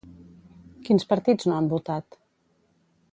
Quins partits no han votat?